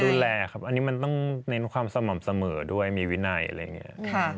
ดูแลครับอันนี้มันต้องเน้นความสม่ำเสมอด้วยมีวินัยอะไรอย่างนี้